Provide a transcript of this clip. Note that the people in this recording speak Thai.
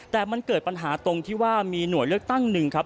แต่มันเกิดปัญหาตรงที่ว่ามีหน่วยเลือกตั้งหนึ่งครับ